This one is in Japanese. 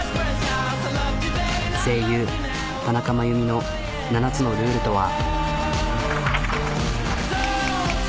声優田中真弓の７つのルールとは。